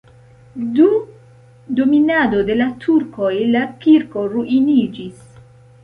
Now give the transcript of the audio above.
Dum dominado de la turkoj la kirko ruiniĝis.